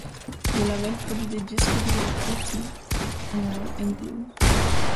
Le label produit des disques de rhythm and blues.